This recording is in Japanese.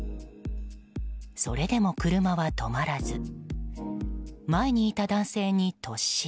それでも車は止まらず前にいた男性に突進。